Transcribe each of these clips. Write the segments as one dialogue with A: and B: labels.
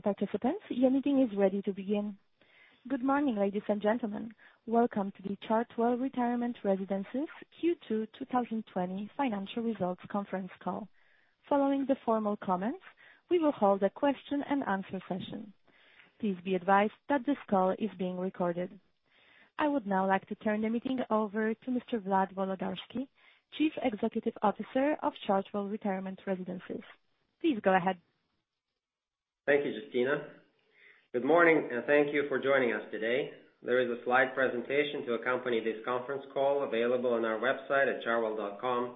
A: Good morning, ladies and gentlemen. Welcome to the Chartwell Retirement Residences Q2 2020 financial results conference call. Following the formal comments, we will hold a question and answer session. Please be advised that this call is being recorded. I would now like to turn the meeting over to Mr. Vlad Volodarski, Chief Executive Officer of Chartwell Retirement Residences. Please go ahead.
B: Thank you, Justina. Good morning, and thank you for joining us today. There is a slide presentation to accompany this conference call available on our website at chartwell.com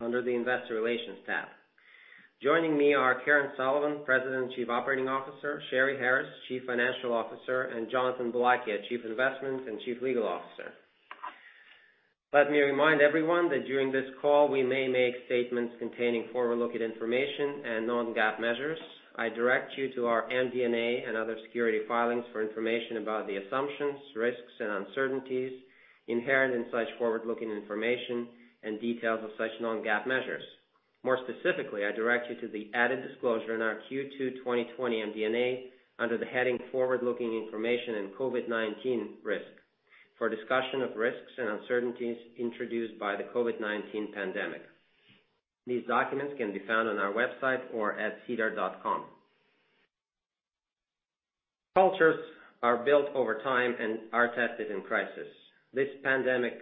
B: under the investor relations tab. Joining me are Karen Sullivan, President and Chief Operating Officer, Sheri Harris, Chief Financial Officer, and Jonathan Boulakia, Chief Investment and Chief Legal Officer. Let me remind everyone that during this call, we may make statements containing forward-looking information and non-GAAP measures. I direct you to our MD&A and other security filings for information about the assumptions, risks, and uncertainties inherent in such forward-looking information and details of such non-GAAP measures. More specifically, I direct you to the added disclosure in our Q2 2020 MD&A under the heading Forward-Looking Information and COVID-19 Risk for discussion of risks and uncertainties introduced by the COVID-19 pandemic. These documents can be found on our website or at sedar.com. Cultures are built over time and are tested in crisis. This pandemic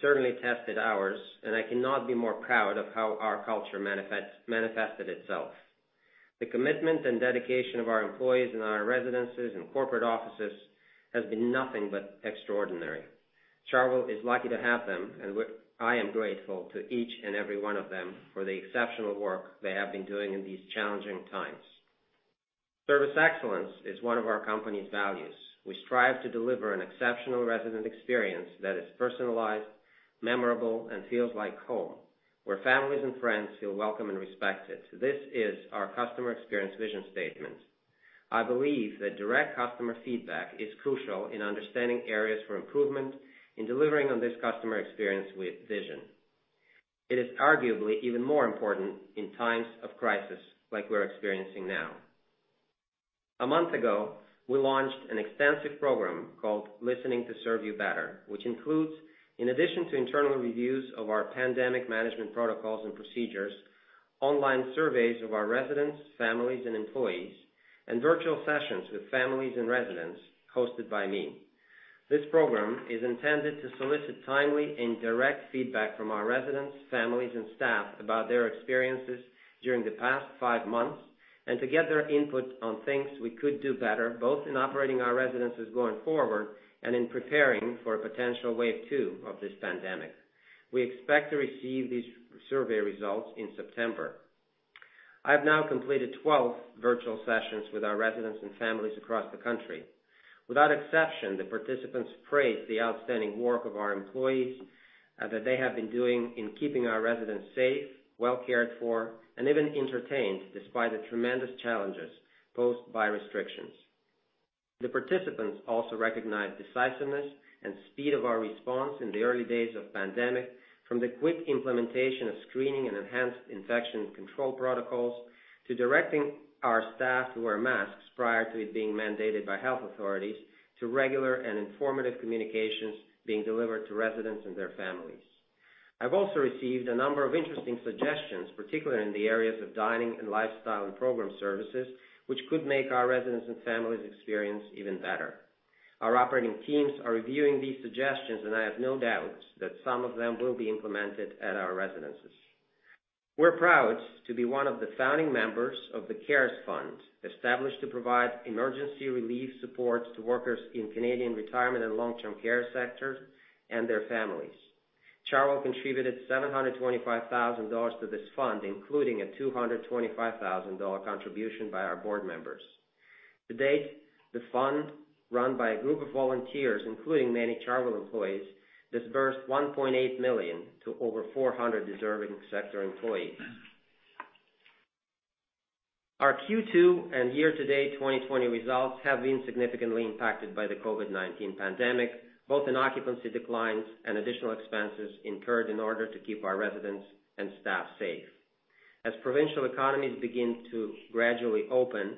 B: certainly tested ours, and I cannot be more proud of how our culture manifested itself. The commitment and dedication of our employees in our residences and corporate offices has been nothing but extraordinary. Chartwell is lucky to have them, and I am grateful to each and every one of them for the exceptional work they have been doing in these challenging times. Service excellence is one of our company's values. We strive to deliver an exceptional resident experience that is personalized, memorable, and feels like home, where families and friends feel welcome and respected. This is our customer experience vision statement. I believe that direct customer feedback is crucial in understanding areas for improvement in delivering on this customer experience vision. It is arguably even more important in times of crisis like we're experiencing now. A month ago, we launched an extensive program called Listening to Serve You Better, which includes, in addition to internal reviews of our pandemic management protocols and procedures, online surveys of our residents, families, and employees, and virtual sessions with families and residents hosted by me. This program is intended to solicit timely and direct feedback from our residents, families, and staff about their experiences during the past five months and to get their input on things we could do better, both in operating our residences going forward and in preparing for a potential wave 2 of this pandemic. We expect to receive these survey results in September. I've now completed 12 virtual sessions with our residents and families across the country. Without exception, the participants praised the outstanding work of our employees that they have been doing in keeping our residents safe, well cared for, and even entertained despite the tremendous challenges posed by restrictions. The participants also recognized decisiveness and speed of our response in the early days of pandemic, from the quick implementation of screening and enhanced infection control protocols to directing our staff to wear masks prior to it being mandated by health authorities to regular and informative communications being delivered to residents and their families. I've also received a number of interesting suggestions, particularly in the areas of dining and lifestyle and program services, which could make our residents' and families' experience even better. Our operating teams are reviewing these suggestions, and I have no doubts that some of them will be implemented at our residences. We're proud to be one of the founding members of the CaRES Fund, established to provide emergency relief support to workers in Canadian retirement and long-term care sectors and their families. Chartwell contributed 725,000 dollars to this fund, including a 225,000 dollar contribution by our board members. To date, the fund, run by a group of volunteers, including many Chartwell employees, disbursed 1.8 million to over 400 deserving sector employees. Our Q2 and year-to-date 2020 results have been significantly impacted by the COVID-19 pandemic, both in occupancy declines and additional expenses incurred in order to keep our residents and staff safe. As provincial economies begin to gradually open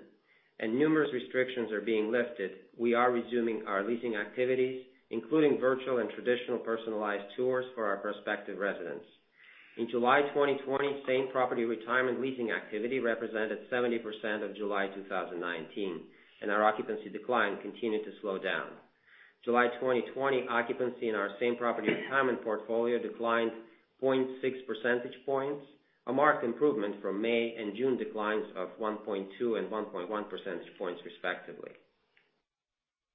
B: and numerous restrictions are being lifted, we are resuming our leasing activities, including virtual and traditional personalized tours for our prospective residents. In July 2020, same-property retirement leasing activity represented 70% of July 2019, and our occupancy decline continued to slow down. July 2020 occupancy in our same-property retirement portfolio declined 0.6 percentage points, a marked improvement from May and June declines of 1.2 and 1.1 percentage points respectively.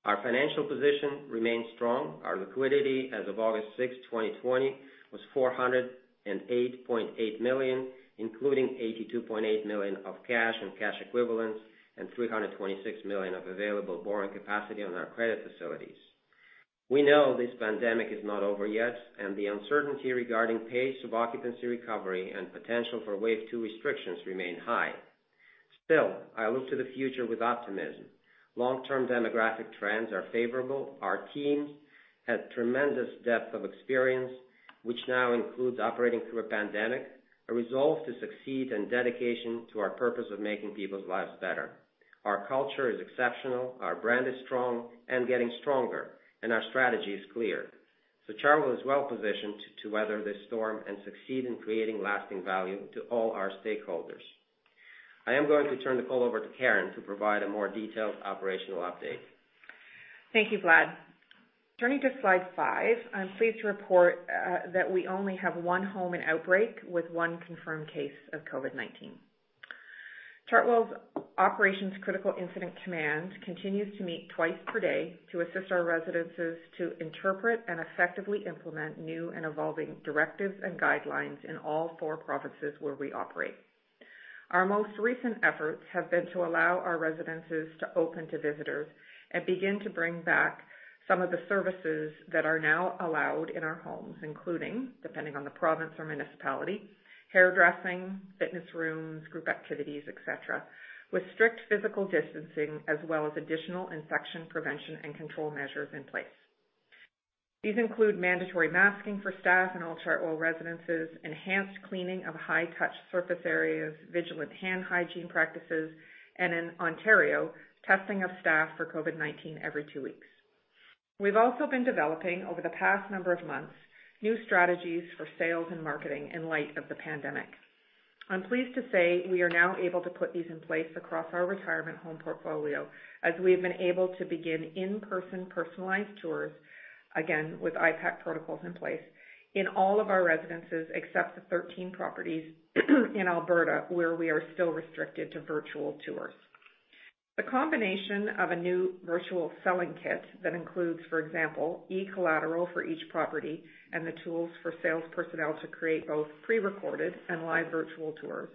B: Our financial position remains strong. Our liquidity as of August 6, 2020, was 408.8 million, including 82.8 million of cash and cash equivalents and 326 million of available borrowing capacity on our credit facilities. We know this pandemic is not over yet. The uncertainty regarding pace of occupancy recovery and potential for wave two restrictions remain high. I look to the future with optimism. Long-term demographic trends are favorable. Our teams have tremendous depth of experience, which now includes operating through a pandemic, a resolve to succeed, and dedication to our purpose of making people's lives better. Our culture is exceptional, our brand is strong and getting stronger. Our strategy is clear. Chartwell is well positioned to weather this storm and succeed in creating lasting value to all our stakeholders. I am going to turn the call over to Karen to provide a more detailed operational update.
C: Thank you, Vlad. Turning to slide five, I'm pleased to report that we only have one home in outbreak with one confirmed case of COVID-19. Chartwell's Operations Critical Incident Command continues to meet twice per day to assist our residences to interpret and effectively implement new and evolving directives and guidelines in all four provinces where we operate. Our most recent efforts have been to allow our residences to open to visitors and begin to bring back some of the services that are now allowed in our homes, including, depending on the province or municipality, hairdressing, fitness rooms, group activities, et cetera, with strict physical distancing as well as additional infection prevention and control measures in place. These include mandatory masking for staff in all Chartwell residences, enhanced cleaning of high-touch surface areas, vigilant hand hygiene practices, and in Ontario, testing of staff for COVID-19 every two weeks. We've also been developing, over the past number of months, new strategies for sales and marketing in light of the pandemic. I'm pleased to say we are now able to put these in place across our retirement home portfolio, as we have been able to begin in-person personalized tours, again, with IPAC protocols in place, in all of our residences except the 13 properties in Alberta, where we are still restricted to virtual tours. The combination of a new virtual selling kit that includes, for example, e-collateral for each property and the tools for sales personnel to create both pre-recorded and live virtual tours,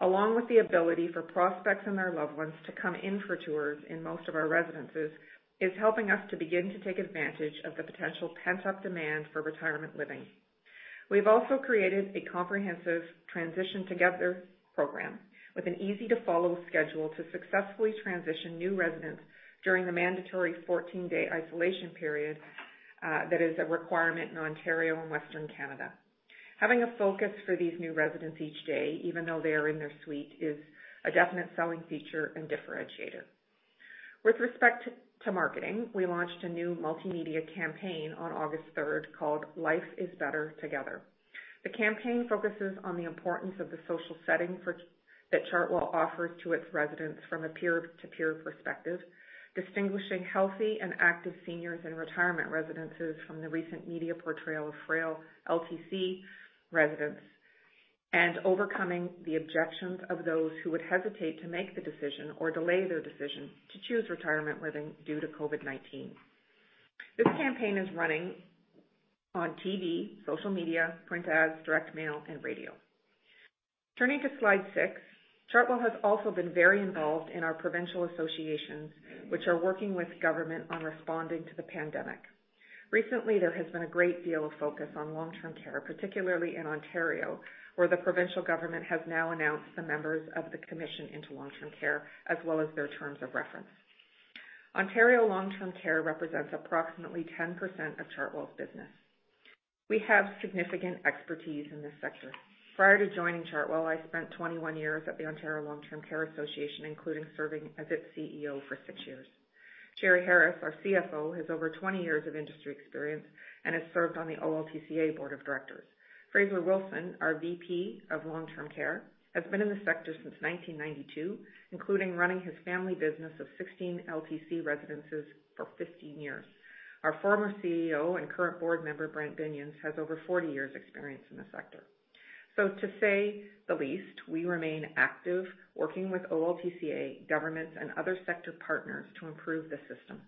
C: along with the ability for prospects and their loved ones to come in for tours in most of our residences, is helping us to begin to take advantage of the potential pent-up demand for retirement living. We've also created a comprehensive Transition Together program with an easy-to-follow schedule to successfully transition new residents during the mandatory 14-day isolation period, that is a requirement in Ontario and Western Canada. Having a focus for these new residents each day, even though they are in their suite, is a definite selling feature and differentiator. With respect to marketing, we launched a new multimedia campaign on August third called Life is Better, Together. The campaign focuses on the importance of the social setting that Chartwell offers to its residents from a peer-to-peer perspective, distinguishing healthy and active seniors in retirement residences from the recent media portrayal of frail LTC residents, and overcoming the objections of those who would hesitate to make the decision or delay their decision to choose retirement living due to COVID-19. This campaign is running on TV, social media, print ads, direct mail, and radio. Turning to slide six, Chartwell has also been very involved in our provincial associations, which are working with government on responding to the pandemic. Recently, there has been a great deal of focus on long-term care, particularly in Ontario, where the provincial government has now announced the members of the commission into long-term care, as well as their terms of reference. Ontario long-term care represents approximately 10% of Chartwell's business. We have significant expertise in this sector. Prior to joining Chartwell, I spent 21 years at the Ontario Long Term Care Association, including serving as its CEO for six years. Sheri Harris, our CFO, has over 20 years of industry experience and has served on the OLTCA board of directors. Fraser Wilson, our VP of long-term care, has been in the sector since 1992, including running his family business of 16 LTC residences for 15 years. Our former CEO and current board member, Brent Binions, has over 40 years experience in the sector. To say the least, we remain active, working with OLTCA, governments, and other sector partners to improve the system.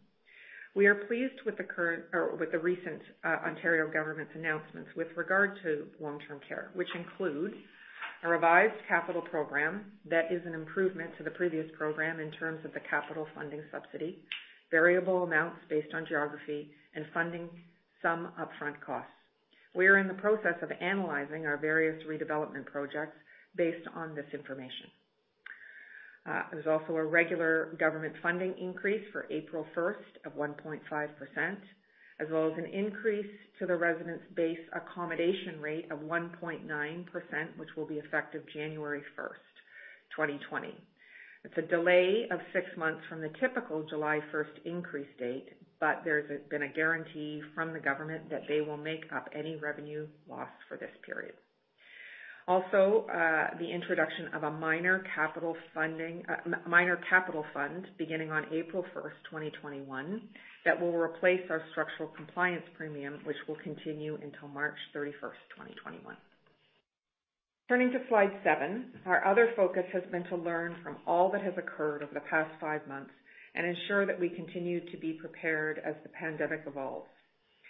C: We are pleased with the recent Ontario government's announcements with regard to long-term care, which include a revised capital program that is an improvement to the previous program in terms of the capital funding subsidy, variable amounts based on geography, and funding some upfront costs. We are in the process of analyzing our various redevelopment projects based on this information. There's also a regular government funding increase for April 1st of 1.5%, as well as an increase to the residents' base accommodation rate of 1.9%, which will be effective January 1st, 2021. It's a delay of six months from the typical July 1st increase date, but there's been a guarantee from the government that they will make up any revenue lost for this period. The introduction of a minor capital fund beginning on April 1st, 2021, that will replace our Structural Compliance Premium, which will continue until March 31st, 2021. Turning to slide seven, our other focus has been to learn from all that has occurred over the past five months and ensure that we continue to be prepared as the pandemic evolves.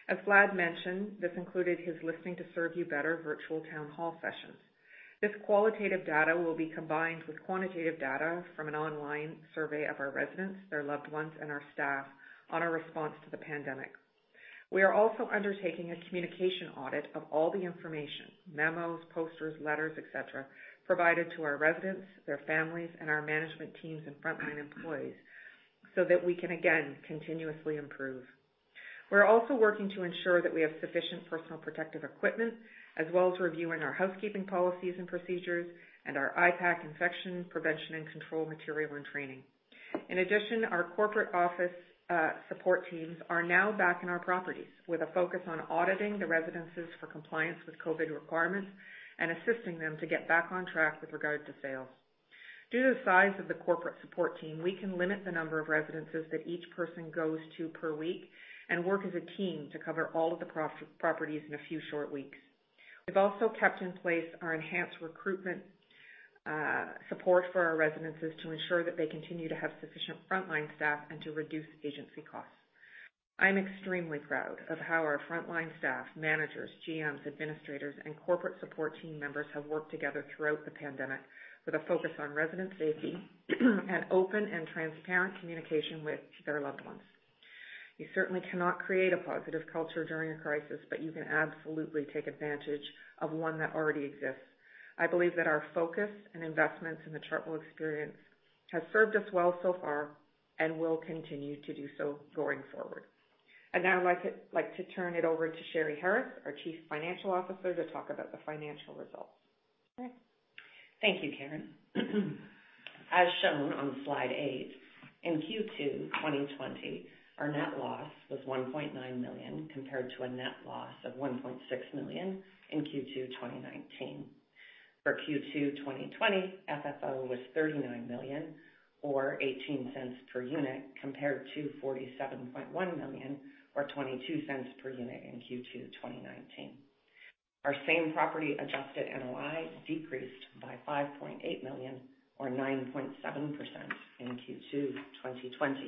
C: As Vlad mentioned, this included his Listening to Serve You Better virtual town hall sessions. This qualitative data will be combined with quantitative data from an online survey of our residents, their loved ones, and our staff on our response to the pandemic. We are also undertaking a communication audit of all the information, memos, posters, letters, et cetera, provided to our residents, their families, and our management teams and frontline employees so that we can, again, continuously improve. We're also working to ensure that we have sufficient personal protective equipment, as well as reviewing our housekeeping policies and procedures and our IPAC infection prevention and control material and training. In addition, our corporate office support teams are now back in our properties with a focus on auditing the residences for compliance with COVID requirements and assisting them to get back on track with regard to sales. Due to the size of the corporate support team, we can limit the number of residences that each person goes to per week and work as a team to cover all of the properties in a few short weeks. We've also kept in place our enhanced recruitment support for our residences to ensure that they continue to have sufficient frontline staff and to reduce agency costs. I'm extremely proud of how our frontline staff, managers, GMs, administrators, and corporate support team members have worked together throughout the pandemic with a focus on resident safety and open and transparent communication with their loved ones. You certainly cannot create a positive culture during a crisis, but you can absolutely take advantage of one that already exists. I believe that our focus and investments in the Chartwell experience has served us well so far and will continue to do so going forward. I'd now like to turn it over to Sheri Harris, our Chief Financial Officer, to talk about the financial results.
D: Thank you, Karen. As shown on slide eight, in Q2 2020, our net loss was 1.9 million compared to a net loss of 1.6 million in Q2 2019. For Q2 2020, FFO was 39 million, or 0.18 per unit, compared to 47.1 million or 0.22 per unit in Q2 2019. Our same property adjusted NOI decreased by 5.8 million, or 9.7%, in Q2 2020.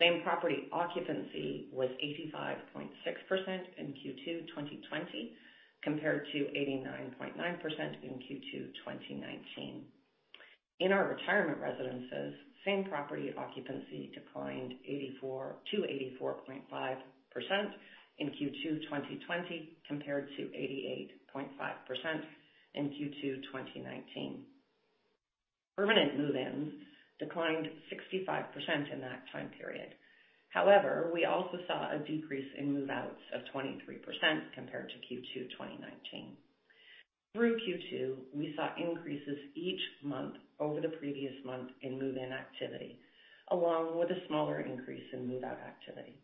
D: Same property occupancy was 85.6% in Q2 2020, compared to 89.9% in Q2 2019. In our retirement residences, same property occupancy declined to 84.5% in Q2 2020, compared to 88.5% in Q2 2019. Permanent move-ins declined 65% in that time period. We also saw a decrease in move-outs of 23% compared to Q2 2019. Through Q2, we saw increases each month over the previous month in move-in activity, along with a smaller increase in move-out activity.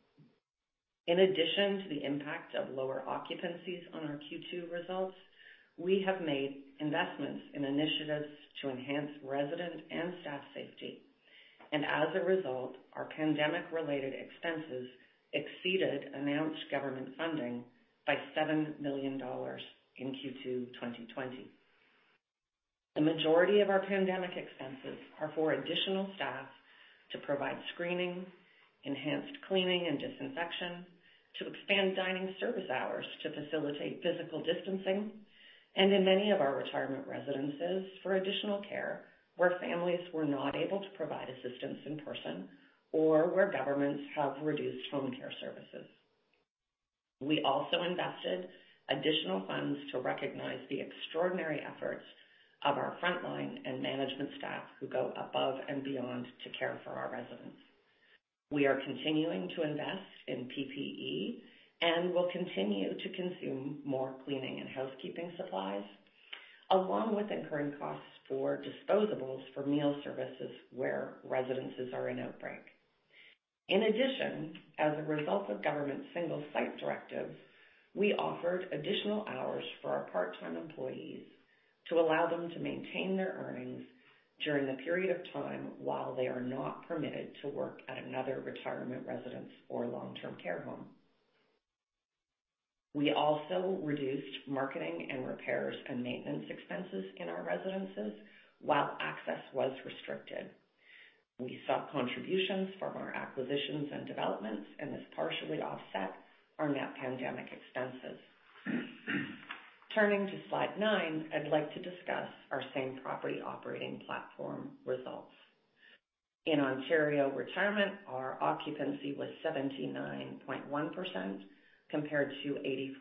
D: In addition to the impact of lower occupancies on our Q2 results, we have made investments in initiatives to enhance resident and staff safety. As a result, our pandemic-related expenses exceeded announced government funding by 7 million dollars in Q2 2020. The majority of our pandemic expenses are for additional staff to provide screening, enhanced cleaning and disinfection, to expand dining service hours to facilitate physical distancing, and in many of our retirement residences for additional care where families were not able to provide assistance in person or where governments have reduced home care services. We also invested additional funds to recognize the extraordinary efforts of our frontline and management staff who go above and beyond to care for our residents. We are continuing to invest in PPE and will continue to consume more cleaning and housekeeping supplies, along with incurring costs for disposables for meal services where residences are in outbreak. In addition, as a result of government single site directives, we offered additional hours for our part-time employees to allow them to maintain their earnings during the period of time while they are not permitted to work at another retirement residence or long-term care home. We also reduced marketing and repairs and maintenance expenses in our residences while access was restricted. We saw contributions from our acquisitions and developments, and this partially offset our net pandemic expenses. Turning to slide nine, I'd like to discuss our same property operating platform results. In Ontario retirement, our occupancy was 79.1% compared to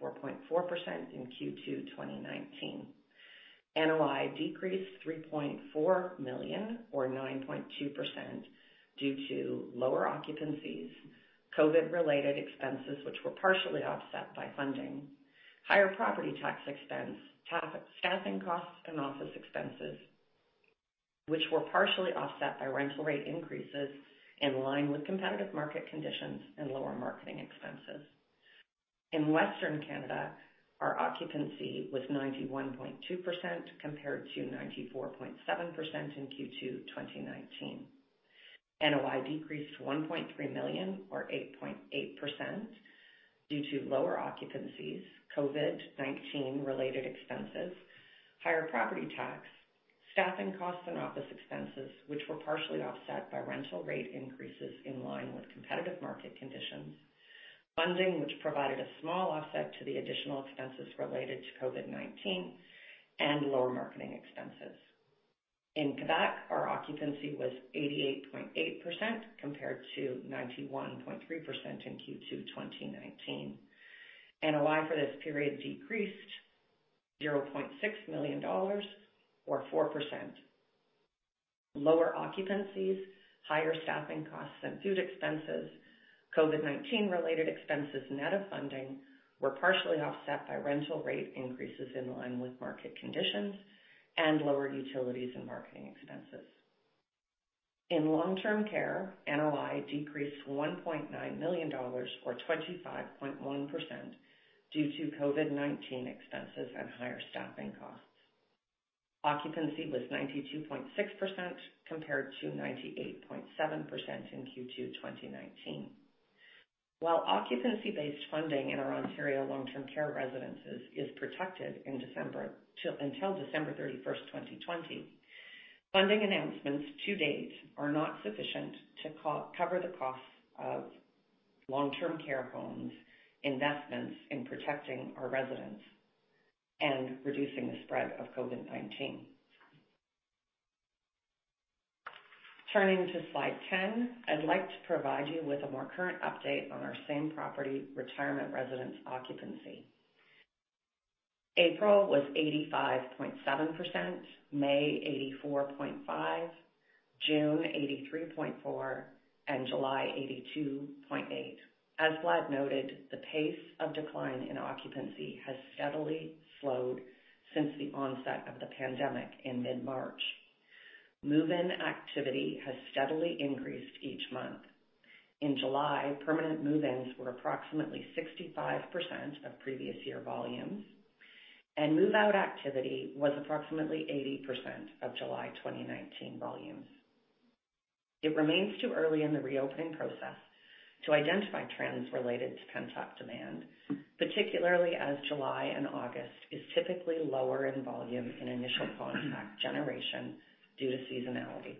D: 84.4% in Q2 2019. NOI decreased 3.4 million or 9.2% due to lower occupancies, COVID-19 related expenses, which were partially offset by funding, higher property tax expense, staffing costs, and office expenses, which were partially offset by rental rate increases in line with competitive market conditions and lower marketing expenses. In Western Canada, our occupancy was 91.2% compared to 94.7% in Q2 2019. NOI decreased 1.3 million or 8.8% due to lower occupancies, COVID-19 related expenses, higher property tax, staffing costs, and office expenses, which were partially offset by rental rate increases in line with competitive market conditions, funding which provided a small offset to the additional expenses related to COVID-19, and lower marketing expenses. In Quebec, our occupancy was 88.8% compared to 91.3% in Q2 2019. NOI for this period decreased 0.6 million dollars or 4%. Lower occupancies, higher staffing costs and food expenses, COVID-19 related expenses net of funding were partially offset by rental rate increases in line with market conditions and lower utilities and marketing expenses. In long-term care, NOI decreased 1.9 million dollars or 25.1% due to COVID-19 expenses and higher staffing costs. Occupancy was 92.6% compared to 98.7% in Q2 2019. While occupancy-based funding in our Ontario long-term care residences is protected until December 31st, 2020, funding announcements to date are not sufficient to cover the cost of long-term care homes, investments in protecting our residents, and reducing the spread of COVID-19. Turning to slide 10, I'd like to provide you with a more current update on our same property retirement residence occupancy. April was 85.7%, May 84.5%, June 83.4%, and July 82.8%. As Vlad noted, the pace of decline in occupancy has steadily slowed since the onset of the pandemic in mid-March. Move-in activity has steadily increased each month. In July, permanent move-ins were approximately 65% of previous year volumes, and move-out activity was approximately 80% of July 2019 volumes. It remains too early in the reopening process to identify trends related to pent-up demand, particularly as July and August is typically lower in volume in initial contract generation due to seasonality.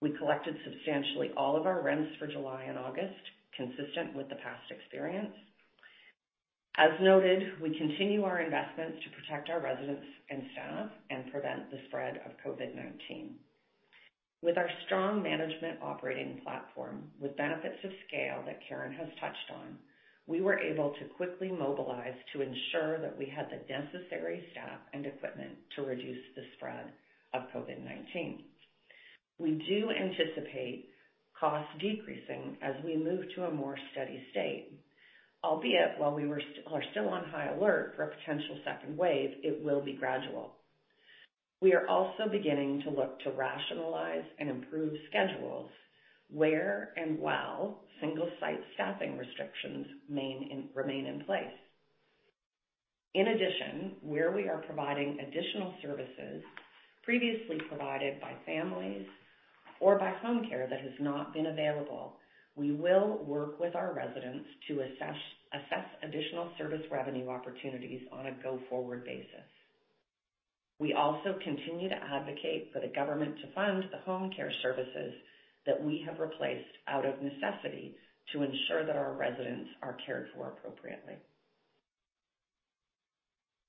D: We collected substantially all of our rents for July and August, consistent with the past experience. As noted, we continue our investments to protect our residents and staff and prevent the spread of COVID-19. With our strong management operating platform with benefits of scale that Karen has touched on, we were able to quickly mobilize to ensure that we had the necessary staff and equipment to reduce the spread of COVID-19. We do anticipate costs decreasing as we move to a more steady state, albeit while we are still on high alert for a potential second wave, it will be gradual. We are also beginning to look to rationalize and improve schedules where and while single site staffing restrictions remain in place. In addition, where we are providing additional services previously provided by families or by home care that has not been available, we will work with our residents to assess additional service revenue opportunities on a go-forward basis. We also continue to advocate for the government to fund the home care services that we have replaced out of necessity to ensure that our residents are cared for appropriately.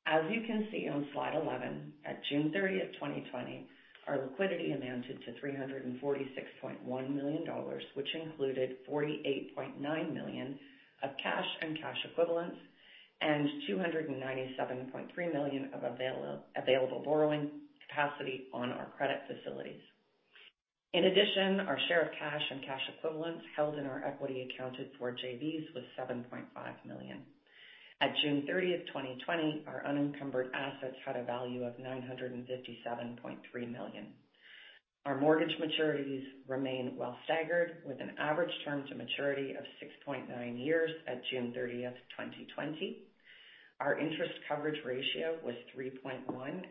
D: As you can see on slide 11, at June 30th, 2020, our liquidity amounted to 346.1 million dollars, which included 48.9 million of cash and cash equivalents and 297.3 million of available borrowing capacity on our credit facilities. In addition, our share of cash and cash equivalents held in our equity accounted for JVs was 7.5 million. At June 30th, 2020, our unencumbered assets had a value of 957.3 million. Our mortgage maturities remain well staggered, with an average term to maturity of 6.9 years at June 30th, 2020. Our interest coverage ratio was 3.1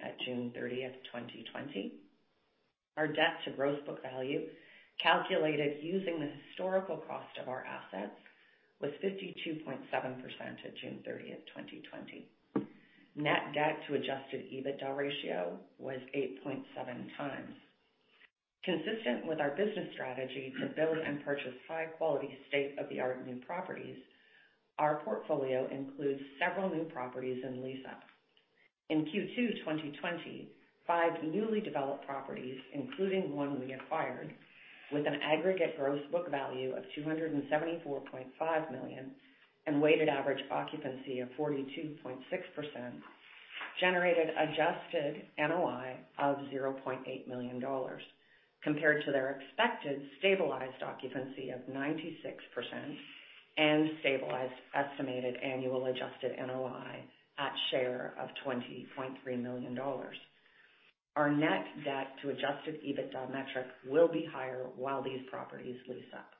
D: at June 30th, 2020. Our debt to gross book value, calculated using the historical cost of our assets, was 52.7% at June 30th, 2020. Net debt to adjusted EBITDA ratio was 8.7 times. Consistent with our business strategy to build and purchase high-quality, state-of-the-art new properties, our portfolio includes several new properties in lease-up. In Q2 2020, five newly developed properties, including one we acquired, with an aggregate gross book value of 274.5 million and weighted average occupancy of 42.6%, generated adjusted NOI of 800,000 dollars, compared to their expected stabilized occupancy of 96% and stabilized estimated annual adjusted NOI at share of 20.3 million dollars. Our net debt to adjusted EBITDA metric will be higher while these properties lease up.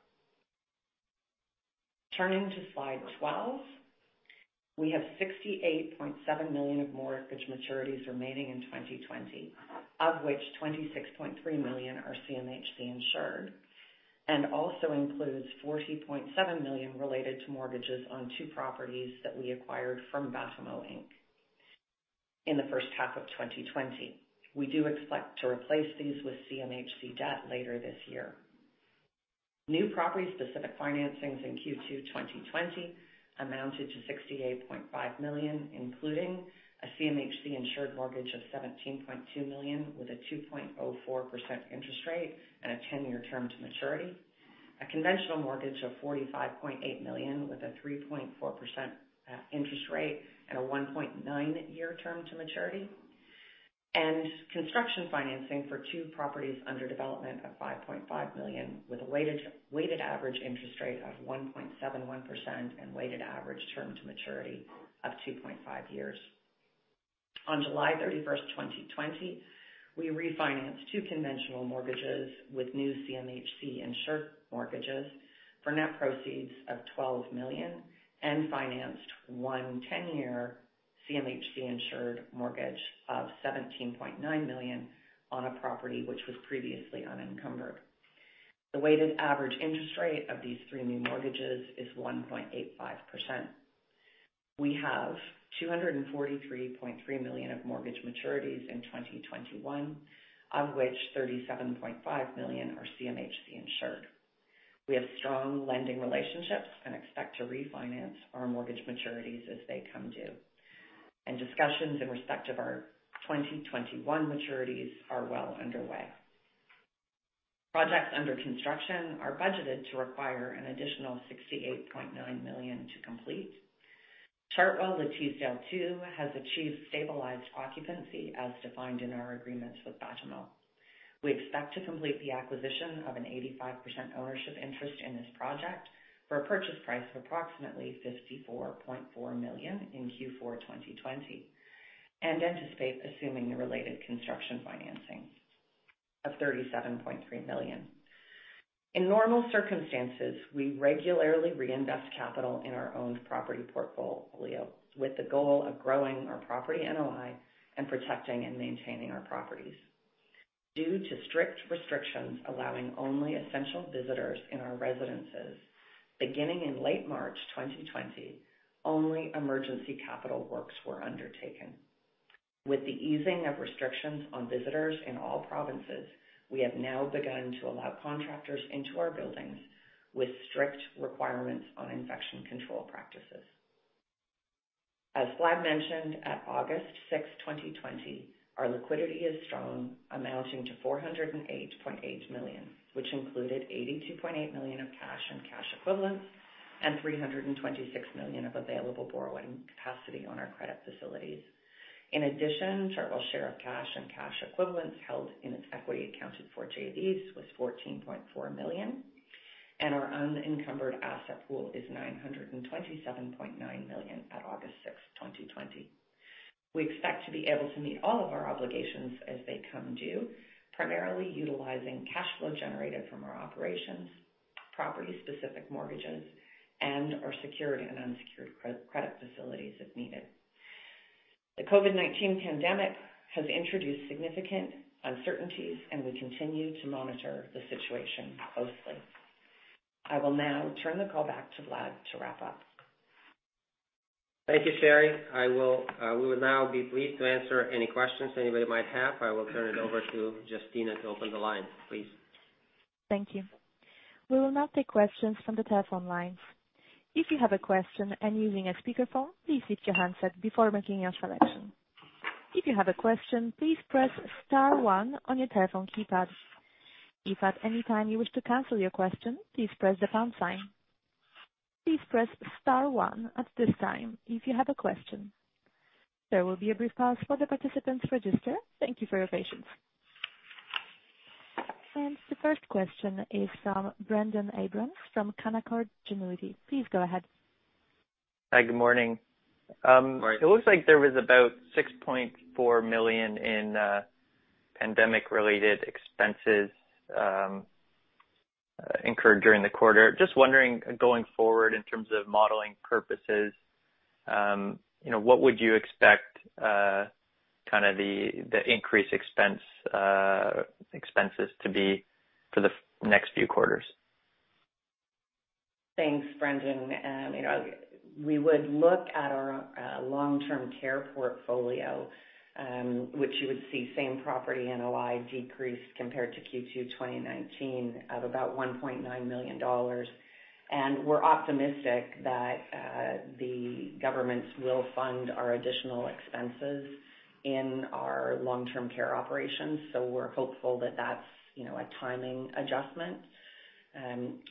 D: Turning to slide 12, we have 68.7 million of mortgage maturities remaining in 2020, of which 26.3 million are CMHC insured, and also includes 40.7 million related to mortgages on two properties that we acquired from Batimo Inc in the first half of 2020. We do expect to replace these with CMHC debt later this year. New property specific financings in Q2 2020 amounted to 68.5 million, including a CMHC-insured mortgage of 17.2 million with a 2.04% interest rate and a 10-year term to maturity, a conventional mortgage of 45.8 million with a 3.4% interest rate and a 1.9-year term to maturity, and construction financing for two properties under development of 5.5 million, with a weighted average interest rate of 1.71% and weighted average term to maturity of 2.5 years. On July 31st, 2020, we refinanced two conventional mortgages with new CMHC-insured mortgages for net proceeds of 12 million and financed one 10-year CMHC-insured mortgage of 17.9 million on a property which was previously unencumbered. The weighted average interest rate of these three new mortgages is 1.85%. We have 243.3 million of mortgage maturities in 2021, of which 37.5 million are CMHC insured. We have strong lending relationships and expect to refinance our mortgage maturities as they come due, and discussions in respect of our 2021 maturities are well underway. Projects under construction are budgeted to require an additional 68.9 million to complete. Chartwell Le Teasdale II has achieved stabilized occupancy as defined in our agreements with Batimo. We expect to complete the acquisition of an 85% ownership interest in this project for a purchase price of approximately 54.4 million in Q4 2020, and anticipate assuming the related construction financing of 37.3 million. In normal circumstances, we regularly reinvest capital in our owned property portfolio, with the goal of growing our property NOI and protecting and maintaining our properties. Due to strict restrictions allowing only essential visitors in our residences, beginning in late March 2020, only emergency capital works were undertaken. With the easing of restrictions on visitors in all provinces, we have now begun to allow contractors into our buildings with strict requirements on infection control practices. As Vlad mentioned, at August 6, 2020, our liquidity is strong, amounting to CAD 408.8 million, which included CAD 82.8 million of cash and cash equivalents and CAD 326 million of available borrowing capacity on our credit facilities. In addition, Chartwell's share of cash and cash equivalents held in its equity accounted for JVs was 14.4 million, and our unencumbered asset pool is 927.9 million at August 6th, 2020. We expect to be able to meet all of our obligations as they come due, primarily utilizing cash flow generated from our operations, property-specific mortgages, and our secured and unsecured credit facilities if needed. The COVID-19 pandemic has introduced significant uncertainties. We continue to monitor the situation closely. I will now turn the call back to Vlad to wrap up.
B: Thank you, Sheri. We will now be pleased to answer any questions anybody might have. I will turn it over to Justina to open the line, please.
A: Thank you. We will now take questions from the telephone lines. If you have a question and using a speakerphone, please mute your handset before making your selection. If you have a question, please press star one on your telephone keypad. If at any time you wish to cancel your question, please press the pound sign. Please press star one at this time if you have a question. There will be a brief pause for the participants register. Thank you for your patience. The first question is from Brendon Abrams from Canaccord Genuity. Please go ahead.
E: Hi, good morning.
B: Morning.
E: It looks like there was about 6.4 million in pandemic-related expenses incurred during the quarter. Just wondering, going forward in terms of modeling purposes, what would you expect the increased expenses to be for the next few quarters?
D: Thanks, Brendon. We would look at our long-term care portfolio, which you would see same property NOI decreased compared to Q2 2019 of about 1.9 million dollars. We're optimistic that the governments will fund our additional expenses in our long-term care operations. We're hopeful that that's a timing adjustment.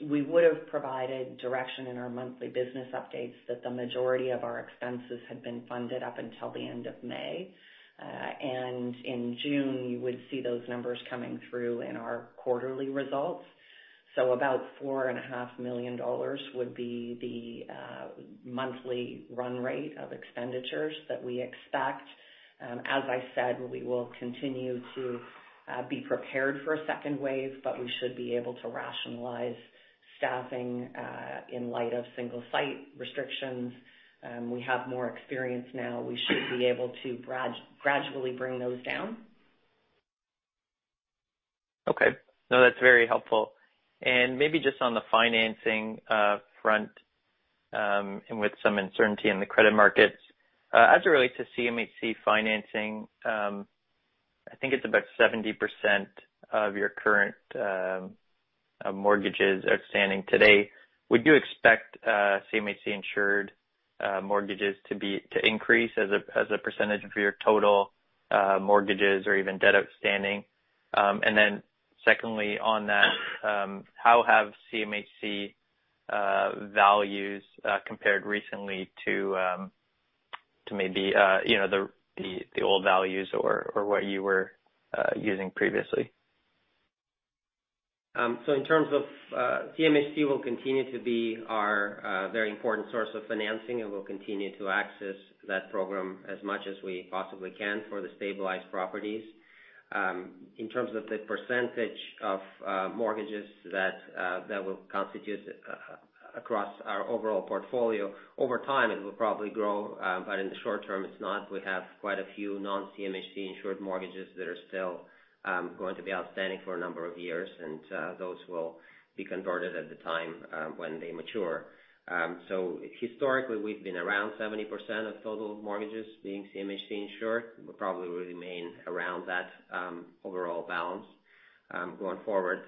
D: We would've provided direction in our monthly business updates that the majority of our expenses had been funded up until the end of May. In June, you would see those numbers coming through in our quarterly results. About 4.5 million dollars would be the monthly run rate of expenditures that we expect. As I said, we will continue to be prepared for a second wave, but we should be able to rationalize staffing in light of single site restrictions. We have more experience now. We should be able to gradually bring those down.
E: Okay. No, that's very helpful. Maybe just on the financing front, with some uncertainty in the credit markets. As it relates to CMHC financing, I think it's about 70% of your current mortgages outstanding today. Would you expect CMHC-insured mortgages to increase as a percentage of your total mortgages or even debt outstanding? Then secondly on that, how have CMHC values compared recently to maybe the old values or what you were using previously?
B: In terms of CMHC will continue to be our very important source of financing, and we'll continue to access that program as much as we possibly can for the stabilized properties. In terms of the percentage of mortgages that will constitute across our overall portfolio, over time, it will probably grow. In the short term, it's not. We have quite a few non-CMHC insured mortgages that are still going to be outstanding for a number of years. Those will be converted at the time when they mature. Historically, we've been around 70% of total mortgages being CMHC insured. We'll probably remain around that overall balance going forward.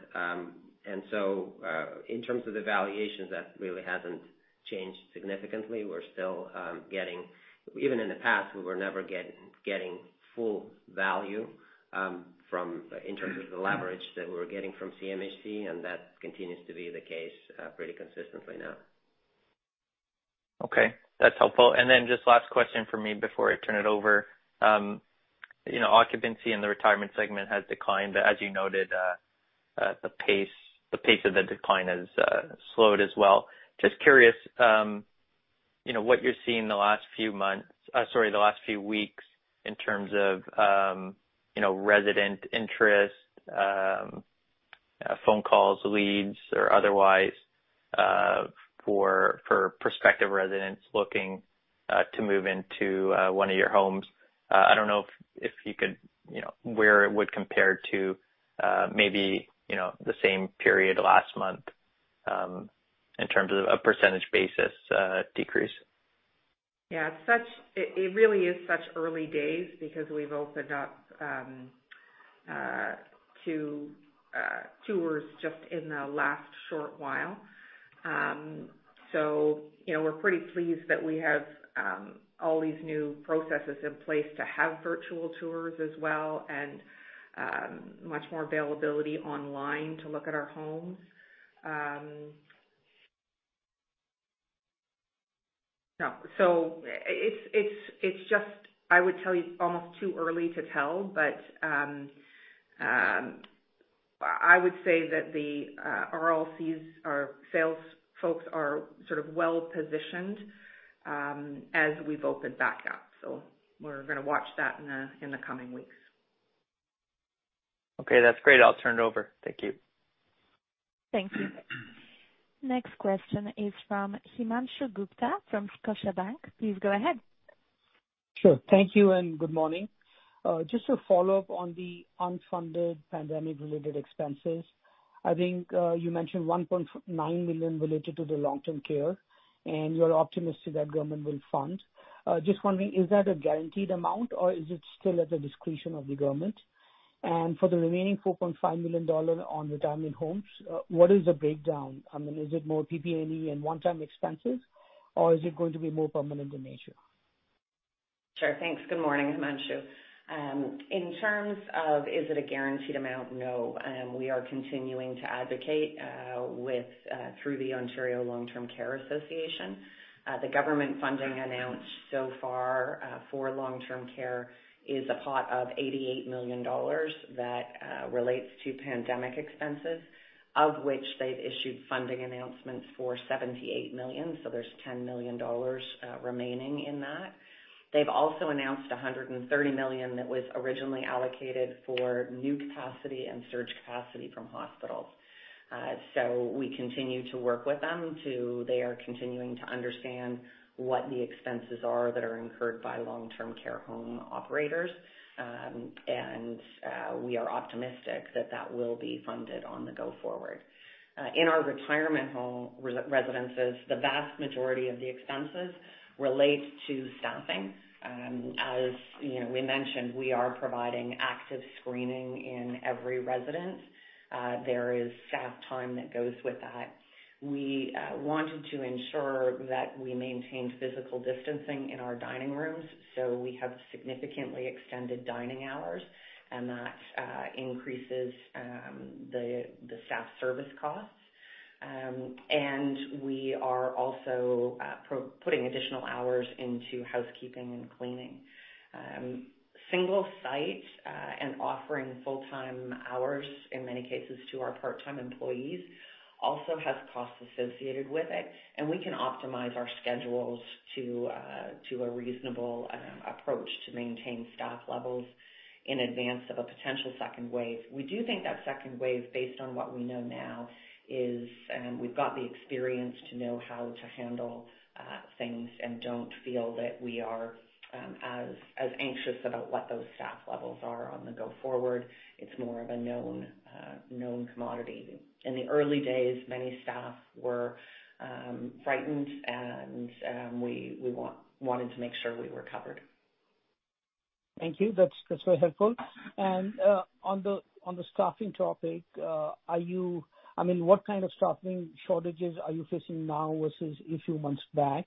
B: In terms of the valuations, that really hasn't changed significantly. Even in the past, we were never getting full value in terms of the leverage that we were getting from CMHC, and that continues to be the case pretty consistently now.
E: That's helpful. Just last question from me before I turn it over. Occupancy in the retirement segment has declined. As you noted, the pace of the decline has slowed as well. Just curious, what you're seeing the last few weeks in terms of resident interest, phone calls, leads, or otherwise for prospective residents looking to move into one of your homes. Where it would compare to maybe the same period last month, in terms of a percentage basis decrease.
D: Yeah. It really is such early days because we've opened up tours just in the last short while. We're pretty pleased that we have all these new processes in place to have virtual tours as well, and much more availability online to look at our homes. No. It's just, I would tell you, almost too early to tell. I would say that the RLCs, our sales folks are sort of well-positioned as we've opened back up. We're going to watch that in the coming weeks.
E: Okay. That's great. I'll turn it over. Thank you.
A: Thank you. Next question is from Himanshu Gupta from Scotiabank. Please go ahead.
F: Sure. Thank you, and good morning. A follow-up on the unfunded pandemic-related expenses. I think, you mentioned 1.9 million related to the long-term care, and you're optimistic that government will fund. Wondering, is that a guaranteed amount, or is it still at the discretion of the government? For the remaining 4.5 million dollar on retirement homes, what is the breakdown? Is it more PPE and one-time expenses, or is it going to be more permanent in nature?
D: Sure. Thanks. Good morning, Himanshu. In terms of, is it a guaranteed amount? No. We are continuing to advocate through the Ontario Long-Term Care Association. The government funding announced so far for long-term care is a pot of 88 million dollars that relates to pandemic expenses, of which they've issued funding announcements for 78 million. There's 10 million dollars remaining in that. They've also announced 130 million that was originally allocated for new capacity and surge capacity from hospitals. We continue to work with them. They are continuing to understand what the expenses are that are incurred by long-term care home operators. We are optimistic that that will be funded on the go forward. In our retirement home residences, the vast majority of the expenses relate to staffing. As we mentioned, we are providing active screening in every residence. There is staff time that goes with that. We wanted to ensure that we maintained physical distancing in our dining rooms, so we have significantly extended dining hours, and that increases the staff service costs. We are also putting additional hours into housekeeping and cleaning. Single site, offering full-time hours in many cases to our part-time employees also has costs associated with it, and we can optimize our schedules to a reasonable approach to maintain staff levels in advance of a potential second wave. We do think that second wave, based on what we know now, is we've got the experience to know how to handle things and don't feel that we are as anxious about what those staff levels are on the go forward. It's more of a known commodity. In the early days, many staff were frightened, and we wanted to make sure we were covered.
F: Thank you. That's very helpful. On the staffing topic, what kind of staffing shortages are you facing now versus a few months back?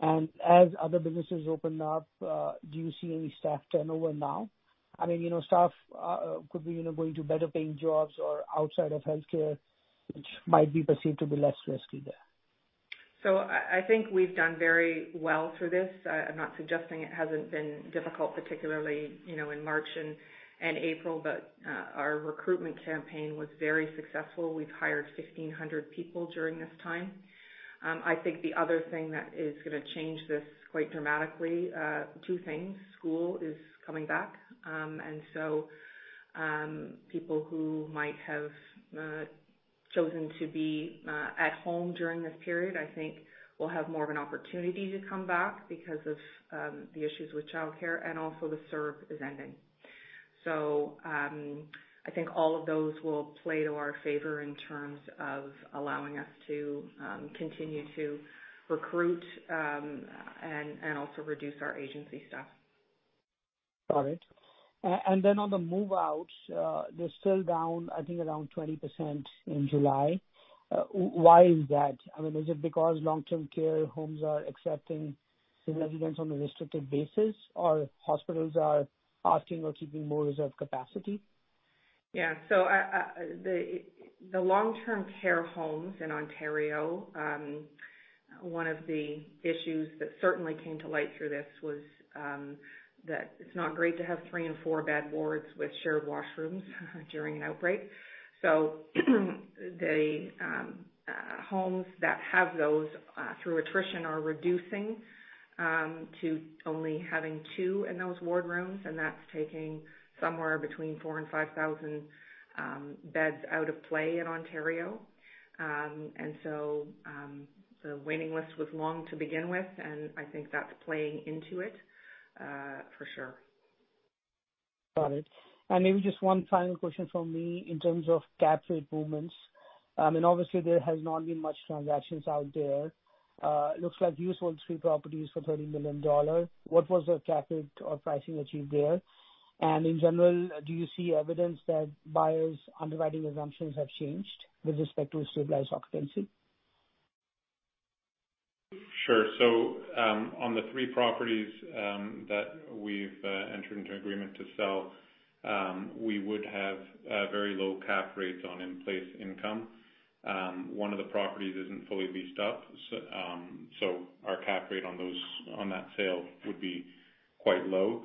F: As other businesses open up, do you see any staff turnover now? Staff could be going to better paying jobs or outside of healthcare, which might be perceived to be less risky there.
C: I think we've done very well through this. I'm not suggesting it hasn't been difficult, particularly in March and April, but our recruitment campaign was very successful. We've hired 1,500 people during this time. I think the other thing that is going to change this quite dramatically, two things. School is coming back. People who might have chosen to be at home during this period, I think will have more of an opportunity to come back because of the issues with childcare and also the CERB is ending. I think all of those will play to our favor in terms of allowing us to continue to recruit, and also reduce our agency staff.
F: Got it. On the move-outs, they're still down, I think around 20% in July. Why is that? Is it because long-term care homes are accepting residents on a restricted basis? Or hospitals are asking or keeping more reserved capacity?
C: Yeah. The long-term care homes in Ontario, one of the issues that certainly came to light through this was that it's not great to have three and four-bed wards with shared washrooms during an outbreak. The homes that have those through attrition are reducing to only having two in those ward rooms, that's taking somewhere between 4,000 and 5,000 beds out of play in Ontario. The waiting list was long to begin with, and I think that's playing into it for sure.
F: Got it. Maybe just one final question from me in terms of cap rate movements. Obviously there has not been much transactions out there. Looks like you sold three properties for 30 million dollars. What was the cap rate or pricing achieved there? In general, do you see evidence that buyers' underwriting assumptions have changed with respect to stabilized occupancy?
G: Sure. On the three properties that we've entered into agreement to sell, we would have very low cap rates on in-place income. One of the properties isn't fully leased up, so our cap rate on that sale would be quite low.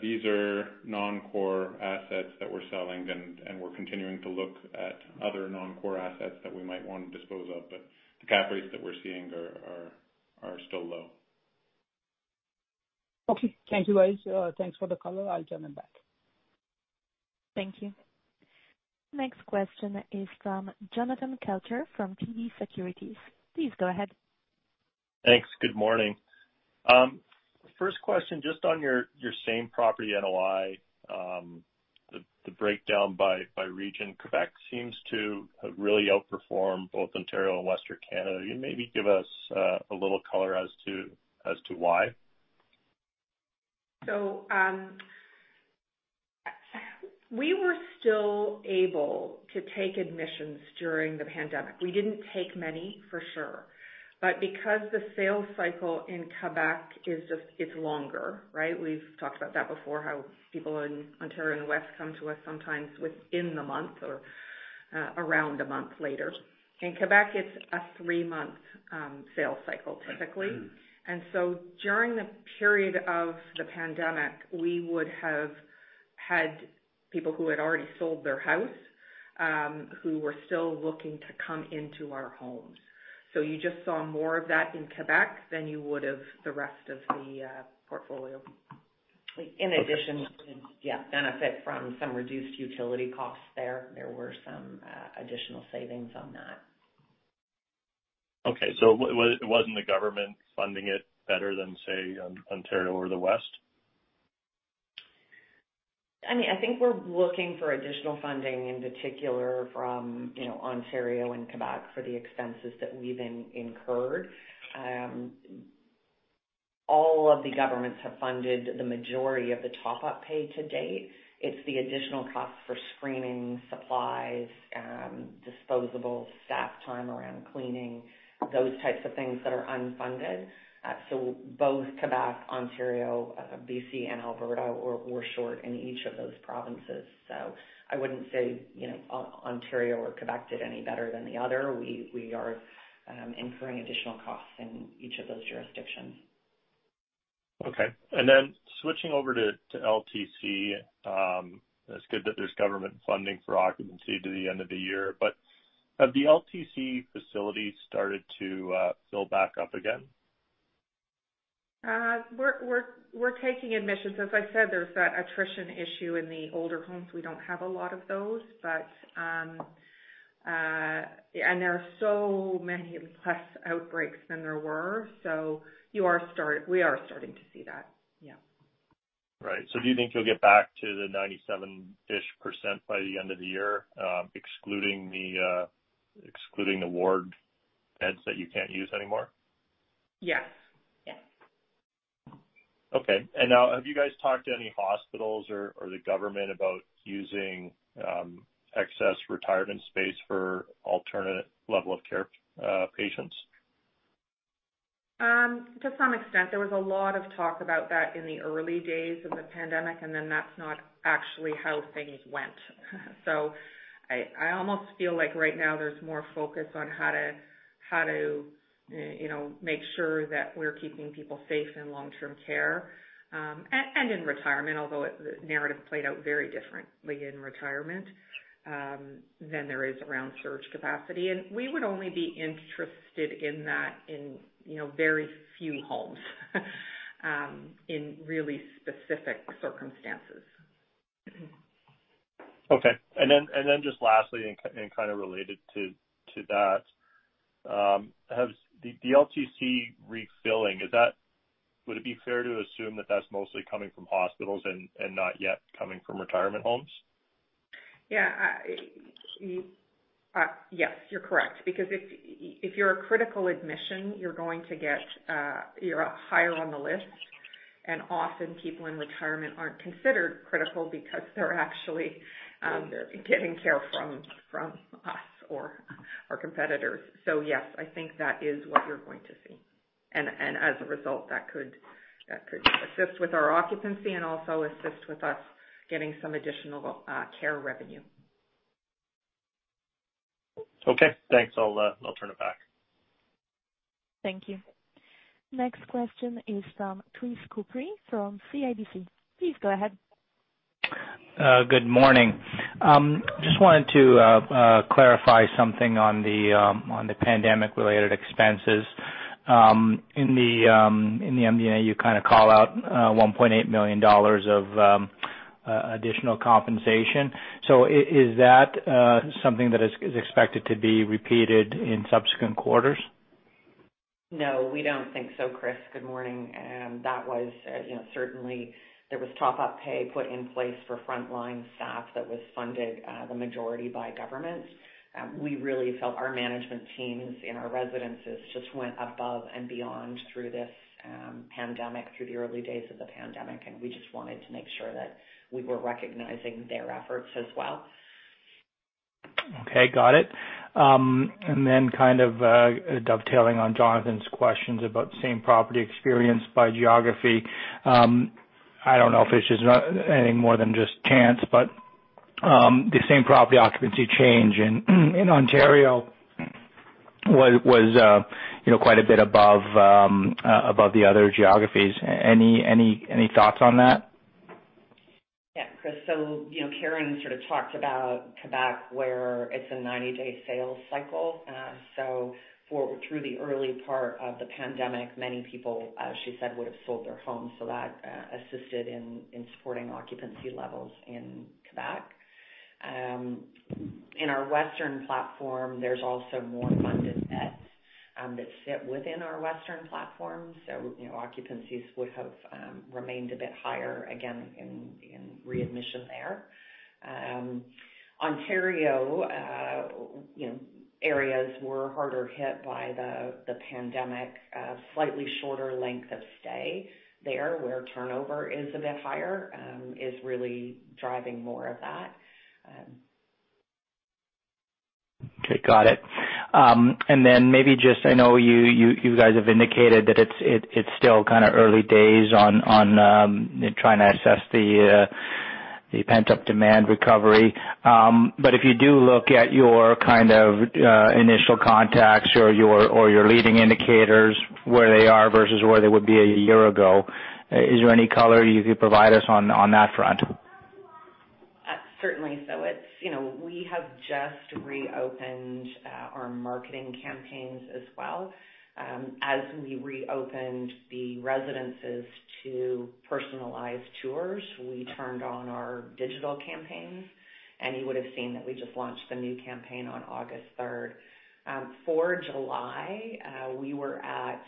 G: These are non-core assets that we're selling and we're continuing to look at other non-core assets that we might want to dispose of. The cap rates that we're seeing are still low.
F: Okay. Thank you, guys. Thanks for the color. I'll jump in back.
A: Thank you. Next question is from Jonathan Kelcher from TD Securities. Please go ahead.
H: Thanks. Good morning. First question, just on your same property NOI, the breakdown by region. Quebec seems to have really outperformed both Ontario and Western Canada. Can you maybe give us a little color as to why?
C: We were still able to take admissions during the pandemic. We didn't take many, for sure. Because the sales cycle in Quebec is longer, right? We've talked about that before, how people in Ontario and the West come to us sometimes within the month or around a month later. In Quebec, it's a three-month sales cycle, typically. During the period of the pandemic, we would have had people who had already sold their house, who were still looking to come into our homes. You just saw more of that in Quebec than you would have the rest of the portfolio.
D: In addition, benefit from some reduced utility costs there. There were some additional savings on that.
H: Okay. It wasn't the government funding it better than, say, Ontario or the West?
D: I think we're looking for additional funding, in particular from Ontario and Quebec for the expenses that we've incurred. All of the governments have funded the majority of the top-up pay to date. It's the additional cost for screening, supplies, disposables, staff time around cleaning, those types of things that are unfunded. Both Quebec, Ontario, B.C. and Alberta, we're short in each of those provinces. I wouldn't say Ontario or Quebec did any better than the other. We are incurring additional costs in each of those jurisdictions.
H: Okay. Switching over to LTC. It's good that there's government funding for occupancy to the end of the year. Have the LTC facilities started to fill back up again?
C: We're taking admissions. As I said, there's that attrition issue in the older homes. We don't have a lot of those. There are so many less outbreaks than there were, so we are starting to see that. Yeah.
H: Right. Do you think you'll get back to the 97% by the end of the year, excluding the ward beds that you can't use anymore?
C: Yes.
H: Okay. Now, have you guys talked to any hospitals or the government about using excess retirement space for alternate level of care patients?
C: To some extent. There was a lot of talk about that in the early days of the pandemic, and then that's not actually how things went. I almost feel like right now there's more focus on how to make sure that we're keeping people safe in long-term care, and in retirement, although the narrative played out very differently in retirement, than there is around surge capacity. We would only be interested in that in very few homes, in really specific circumstances.
H: Okay. Just lastly, and kind of related to that, the LTC refilling, would it be fair to assume that that's mostly coming from hospitals and not yet coming from retirement homes?
C: Yeah. Yes, you're correct. Because if you're a critical admission, you're higher on the list. Often people in retirement aren't considered critical because they're actually getting care from us or our competitors. Yes, I think that is what you're going to see. As a result, that could assist with our occupancy and also assist with us getting some additional care revenue.
H: Okay, thanks. I'll turn it back.
A: Thank you. Next question is from Chris Couprie from CIBC. Please go ahead.
I: Good morning. Just wanted to clarify something on the pandemic-related expenses. In the MD&A, you call out 1.8 million dollars of additional compensation. Is that something that is expected to be repeated in subsequent quarters?
D: No, we don't think so, Chris. Good morning. Certainly, there was top-up pay put in place for frontline staff that was funded, the majority, by governments. We really felt our management teams in our residences just went above and beyond through the early days of the pandemic, and we just wanted to make sure that we were recognizing their efforts as well.
I: Got it. Kind of dovetailing on Jonathan's questions about same-property experience by geography. I don't know if it's just anything more than just chance, but the same-property occupancy change in Ontario was quite a bit above the other geographies. Any thoughts on that?
D: Chris, Karen sort of talked about Quebec, where it's a 90-day sales cycle. Through the early part of the pandemic, many people, as she said, would've sold their homes, so that assisted in supporting occupancy levels in Quebec. In our western platform, there's also more funded beds that sit within our western platform, occupancies would have remained a bit higher, again, in readmission there. Ontario areas were harder hit by the pandemic. Slightly shorter length of stay there, where turnover is a bit higher, is really driving more of that.
I: Okay, got it. I know you guys have indicated that it's still kind of early days on trying to assess the pent-up demand recovery. If you do look at your initial contacts or your leading indicators, where they are versus where they would be a year ago, is there any color you could provide us on that front?
D: Certainly. We have just reopened our marketing campaigns as well. As we reopened the residences to personalized tours, we turned on our digital campaigns, and you would've seen that we just launched the new campaign on August 3rd. For July, we were at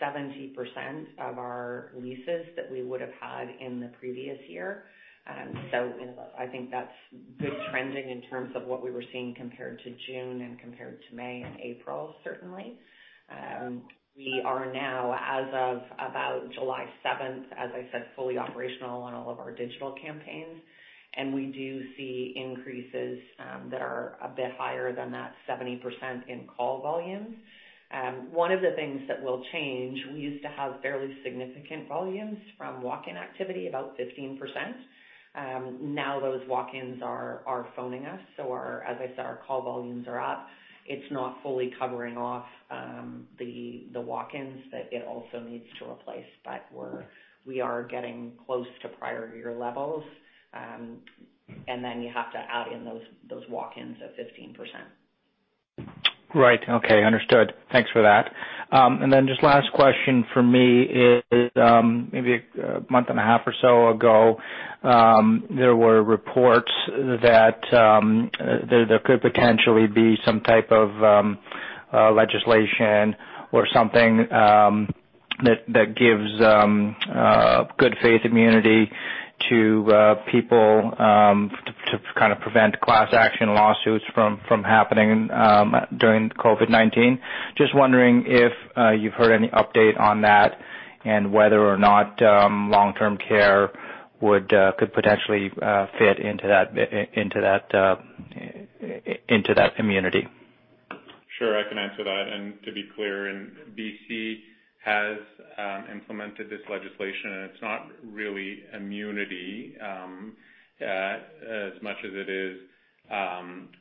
D: 70% of our leases that we would've had in the previous year. I think that's good trending in terms of what we were seeing compared to June and compared to May and April, certainly. We are now, as of about July 7th, as I said, fully operational on all of our digital campaigns, and we do see increases that are a bit higher than that 70% in call volumes. One of the things that will change, we used to have fairly significant volumes from walk-in activity, about 15%. Now those walk-ins are phoning us. As I said, our call volumes are up. It's not fully covering off the walk-ins that it also needs to replace, but we are getting close to prior year levels. You have to add in those walk-ins of 15%.
I: Right. Okay. Understood. Thanks for that. Just last question from me is, maybe a month and a half or so ago, there were reports that there could potentially be some type of legislation or something that gives good faith immunity to people to kind of prevent class action lawsuits from happening during COVID-19. Just wondering if you've heard any update on that, and whether or not long-term care could potentially fit into that immunity.
G: Sure. I can answer that. To be clear, BC has implemented this legislation, and it's not really immunity as much as it is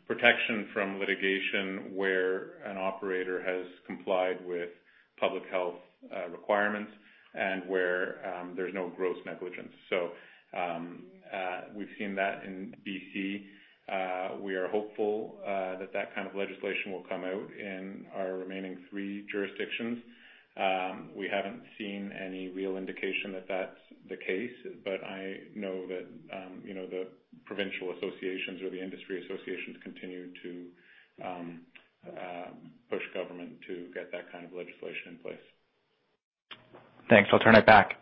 G: protection from litigation where an operator has complied with public health requirements and where there's no gross negligence. We've seen that in BC. We are hopeful that that kind of legislation will come out in our remaining three jurisdictions. We haven't seen any real indication that that's the case, but I know that the provincial associations or the industry associations continue to push government to get that kind of legislation in place.
I: Thanks. I'll turn it back.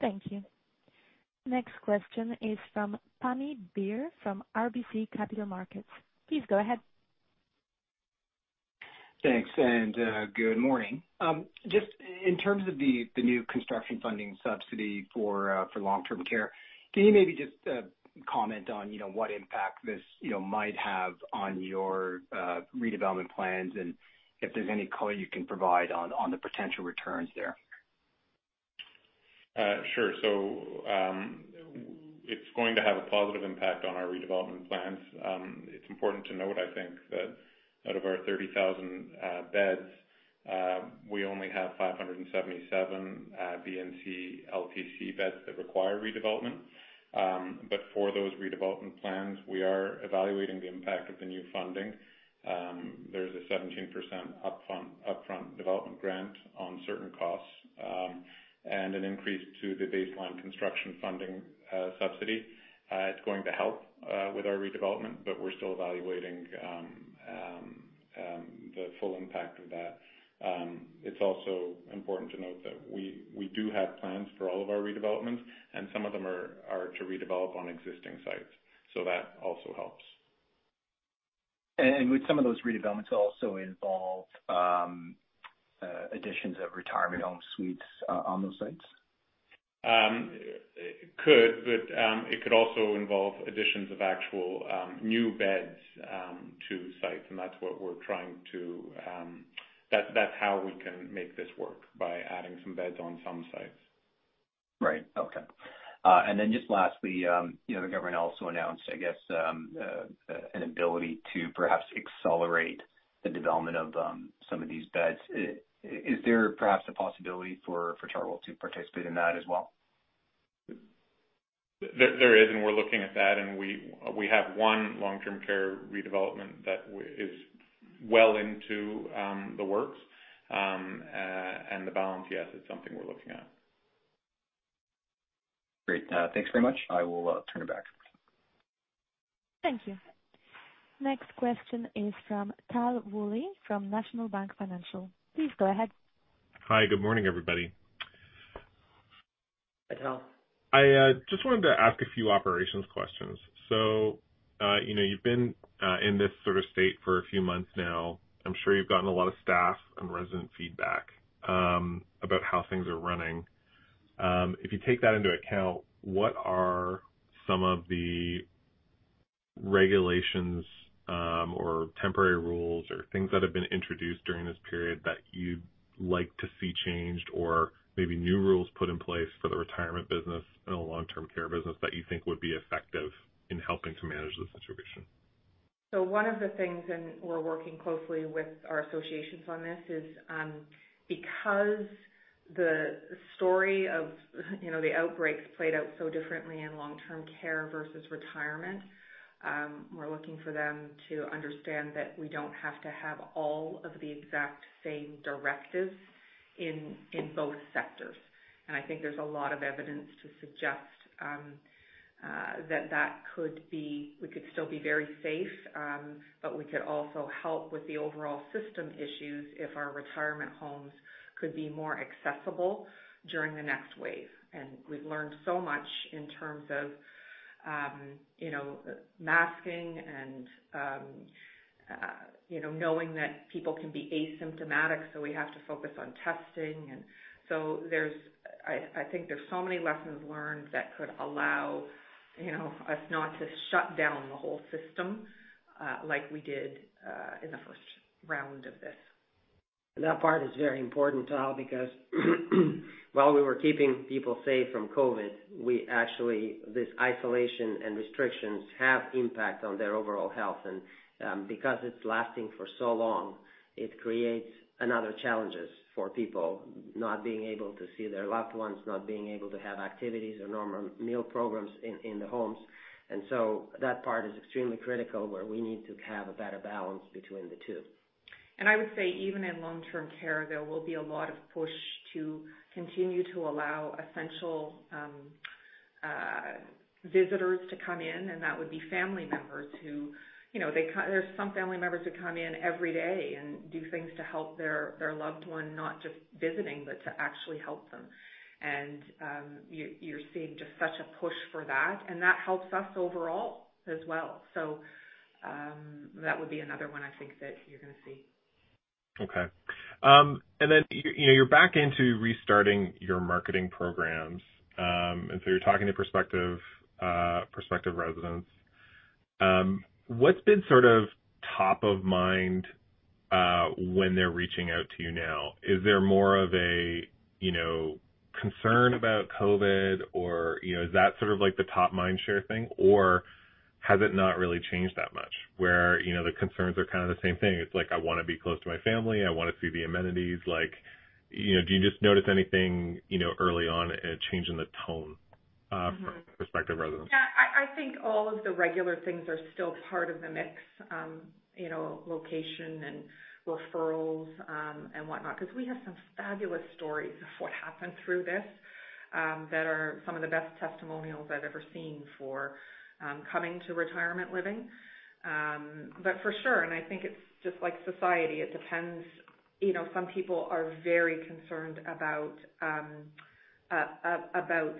A: Thank you. Next question is from Pammi Bir from RBC Capital Markets. Please go ahead.
J: Thanks, and good morning. Just in terms of the new construction funding subsidy for long-term care, can you maybe just comment on what impact this might have on your redevelopment plans and if there's any color you can provide on the potential returns there?
G: Sure. It's going to have a positive impact on our redevelopment plans. It's important to note, I think, that out of our 30,000 beds, we only have 577 B and C LTC beds that require redevelopment. For those redevelopment plans, we are evaluating the impact of the new funding. There's a 17% upfront development grant on certain costs, and an increase to the baseline construction funding subsidy. It's going to help with our redevelopment, but we're still evaluating the full impact of that. It's also important to note that we do have plans for all of our redevelopments, and some of them are to redevelop on existing sites. That also helps.
J: Would some of those redevelopments also involve additions of retirement home suites on those sites?
G: It could, but it could also involve additions of actual new beds to sites, and that's how we can make this work, by adding some beds on some sites.
J: Right. Okay. Just lastly, the government also announced, I guess, an ability to perhaps accelerate the development of some of these beds. Is there perhaps a possibility for Chartwell to participate in that as well?
G: There is, and we're looking at that, and we have one long-term care redevelopment that is well into the works. The balance, yes, is something we're looking at.
J: Great. Thanks very much. I will turn it back.
A: Thank you. Next question is from Tal Woolley from National Bank Financial. Please go ahead.
K: Hi. Good morning, everybody.
C: Hi, Tal.
K: I just wanted to ask a few operations questions. You've been in this sort of state for a few months now. I'm sure you've gotten a lot of staff and resident feedback about how things are running. If you take that into account, what are some of the regulations or temporary rules or things that have been introduced during this period that you'd like to see changed, or maybe new rules put in place for the retirement business and the long-term care business that you think would be effective in helping to manage this situation?
C: One of the things, and we're working closely with our associations on this, is because the story of the outbreaks played out so differently in long-term care versus retirement, we're looking for them to understand that we don't have to have all of the exact same directives in both sectors. I think there's a lot of evidence to suggest that we could still be very safe, but we could also help with the overall system issues if our retirement homes could be more accessible during the next wave. We've learned so much in terms of masking and knowing that people can be asymptomatic, so we have to focus on testing. I think there's so many lessons learned that could allow us not to shut down the whole system like we did in the first round of this.
B: That part is very important, Tal, because while we were keeping people safe from COVID, actually, this isolation and restrictions have impact on their overall health. Because it's lasting for so long, it creates another challenges for people not being able to see their loved ones, not being able to have activities or normal meal programs in the homes. That part is extremely critical, where we need to have a better balance between the two.
C: I would say even in long-term care, there will be a lot of push to continue to allow essential visitors to come in, and that would be family members. There are some family members who come in every day and do things to help their loved one, not just visiting, but to actually help them. You're seeing just such a push for that, and that helps us overall as well. That would be another one I think that you're going to see.
K: Okay. Then, you're back into restarting your marketing programs, so you're talking to prospective residents. What's been sort of top of mind when they're reaching out to you now? Is there more of a concern about COVID-19 or is that sort of the top mind share thing, or has it not really changed that much, where the concerns are kind of the same thing? It's like, I want to be close to my family. I want to see the amenities. Do you just notice anything early on a change in the tone from prospective residents?
C: I think all of the regular things are still part of the mix. Location and referrals and whatnot, because we have some fabulous stories of what happened through this, that are some of the best testimonials I've ever seen for coming to retirement living. For sure, and I think it's just like society, it depends. Some people are very concerned about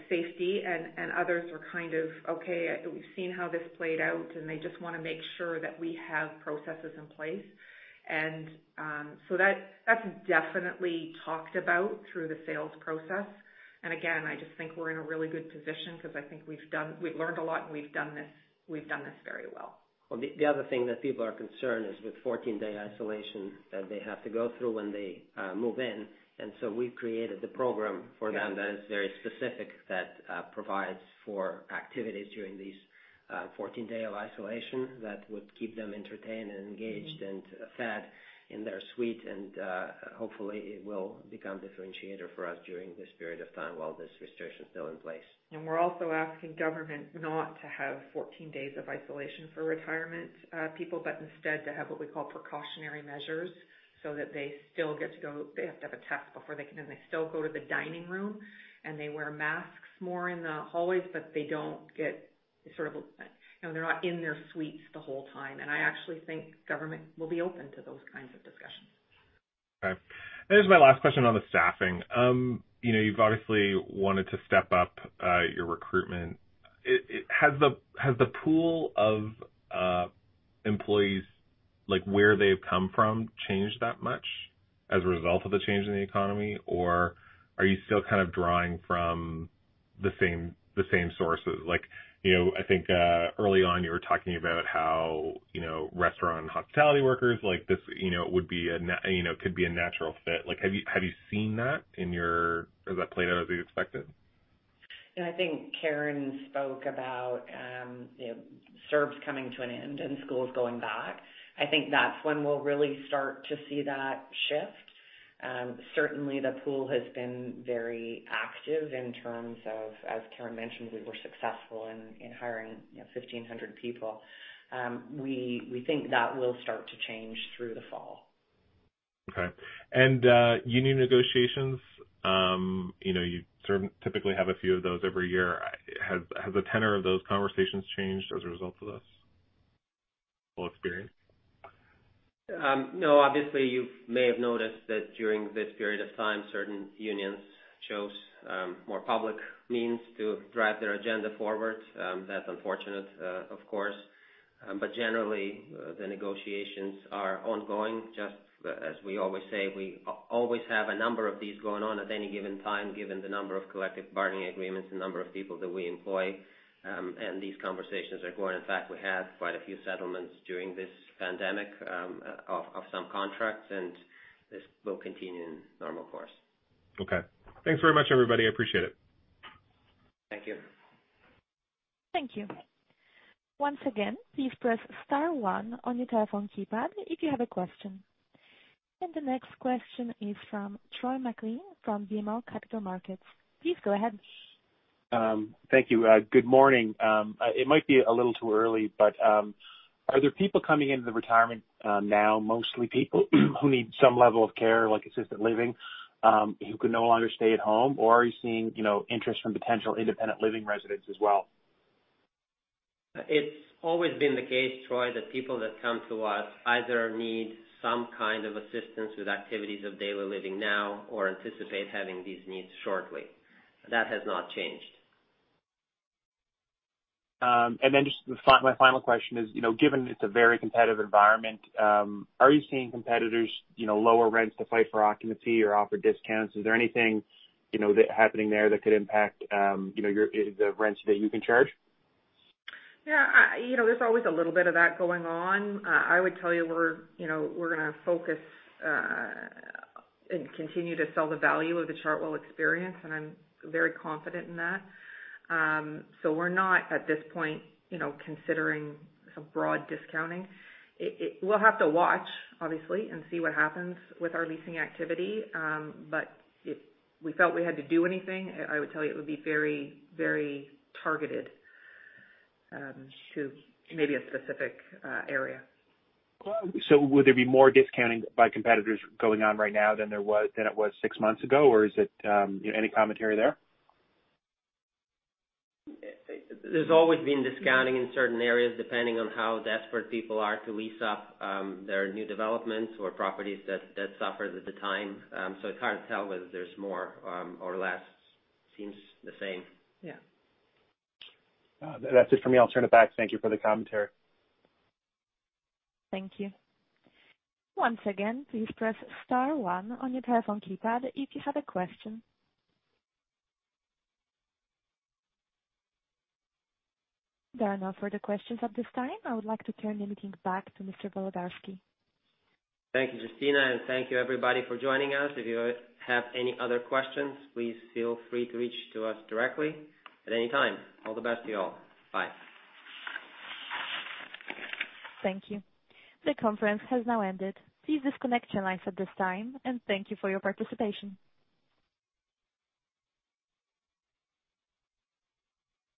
C: safety and others are kind of, "Okay, we've seen how this played out," and they just want to make sure that we have processes in place. That's definitely talked about through the sales process. Again, I just think we're in a really good position because I think we've learned a lot and we've done this very well.
B: Well, the other thing that people are concerned is with 14-day isolation that they have to go through when they move in. We've created the program for them that is very specific, that provides for activities during these 14 day of isolation that would keep them entertained and engaged and fed in their suite. Hopefully it will become differentiator for us during this period of time while this restriction's still in place.
C: We're also asking government not to have 14 days of isolation for retirement people, but instead to have what we call precautionary measures, so that they still get to go. They have to have a test before they can, and they still go to the dining room, and they wear masks more in the hallways, but they're not in their suites the whole time. I actually think government will be open to those kinds of discussions.
K: Okay. This is my last question on the staffing. You've obviously wanted to step up your recruitment. Has the pool of employees, like where they've come from, changed that much as a result of the change in the economy, or are you still kind of drawing from the same sources? I think early on you were talking about how restaurant and hospitality workers could be a natural fit. Have you seen that? Has that played out as you expected?
D: I think Karen spoke about CERB coming to an end and schools going back. I think that's when we'll really start to see that shift. Certainly, the pool has been very active in terms of, as Karen mentioned, we were successful in hiring 1,500 people. We think that will start to change through the fall.
K: Okay. Union negotiations, you sort of typically have a few of those every year. Has the tenor of those conversations changed as a result of this whole experience?
B: No. Obviously, you may have noticed that during this period of time, certain unions chose more public means to drive their agenda forward. That's unfortunate, of course. Generally, the negotiations are ongoing. Just as we always say, we always have a number of these going on at any given time, given the number of collective bargaining agreements and number of people that we employ. These conversations are going. In fact, we had quite a few settlements during this pandemic, of some contracts, this will continue in normal course.
K: Okay. Thanks very much, everybody. I appreciate it.
B: Thank you.
A: Thank you. Once again, please press star one on your telephone keypad if you have a question. The next question is from Troy MacLean, from BMO Capital Markets. Please go ahead.
L: Thank you. Good morning. It might be a little too early, but are there people coming into the retirement now, mostly people who need some level of care, like assisted living, who can no longer stay at home, or are you seeing interest from potential independent living residents as well?
B: It's always been the case, Troy, that people that come to us either need some kind of assistance with activities of daily living now or anticipate having these needs shortly. That has not changed.
L: Just my final question is, given it's a very competitive environment, are you seeing competitors lower rents to fight for occupancy or offer discounts? Is there anything happening there that could impact the rents that you can charge?
C: Yeah. There's always a little bit of that going on. I would tell you we're going to focus, and continue to sell the value of the Chartwell experience, and I'm very confident in that. We're not, at this point, considering some broad discounting. We'll have to watch, obviously, and see what happens with our leasing activity. If we felt we had to do anything, I would tell you it would be very targeted, to maybe a specific area.
L: Would there be more discounting by competitors going on right now than it was six months ago, or any commentary there?
B: There's always been discounting in certain areas, depending on how desperate people are to lease up their new developments or properties that suffered at the time. I can't tell whether there's more or less. Seems the same.
C: Yeah.
L: That's it for me. I'll turn it back. Thank you for the commentary.
A: Thank you. Once again, please press star one on your telephone keypad if you have a question. There are no further questions at this time. I would like to turn the meeting back to Mr. Volodarski.
B: Thank you, Justina, thank you everybody for joining us. If you have any other questions, please feel free to reach to us directly at any time. All the best to you all. Bye.
A: Thank you. The conference has now ended. Please disconnect your lines at this time. Thank you for your participation.